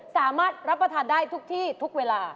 สามารถรับประทานได้ทุกที่ทุกเวลา